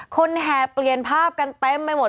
แห่เปลี่ยนภาพกันเต็มไปหมด